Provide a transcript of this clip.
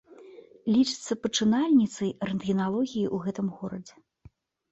Лічыцца пачынальніцай рэнтгеналогіі ў гэтым горадзе.